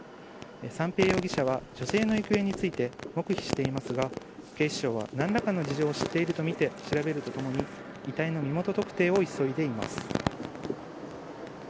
三瓶容疑者は女性の行方について黙秘していますが警視庁は何らかの事情を知っているとみて調べるとともに遺体の身元特定を急いでいます。